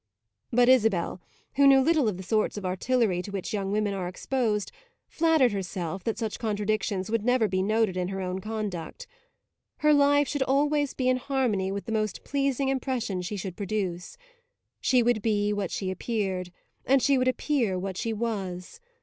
But Isabel, who knew little of the sorts of artillery to which young women are exposed, flattered herself that such contradictions would never be noted in her own conduct. Her life should always be in harmony with the most pleasing impression she should produce; she would be what she appeared, and she would appear what she was.